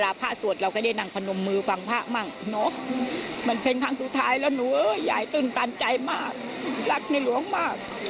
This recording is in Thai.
เวลาผ้าสวดเราก็ได้นั่งพนมมือฟังผ้ามากมันเป็นครั้งสุดท้ายแล้วหนูใหญ่ตื่นตันใจมากรักในหลวงมาก